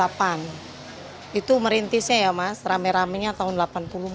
dari tahun tujuh puluh tujuh tujuh puluh delapan itu merintisnya ya mas rame ramenya tahun delapan puluh empat an baru rame